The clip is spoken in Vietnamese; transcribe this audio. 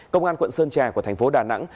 công an quận sơn trà của thành phố đà nẵng